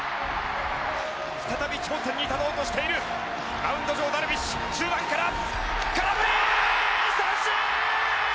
再び頂点に立とうとしているマウンド上、ダルビッシュ中盤から空振り三振！